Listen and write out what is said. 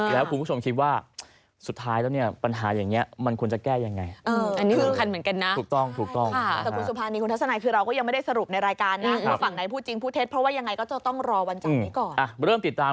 แล้วคุณผู้ชมคิดว่า